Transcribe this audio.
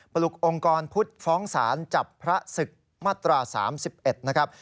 ปลุกองค์กรพุทธฟ้องศาลจับพระศึกมาตรา๓๑นะครับ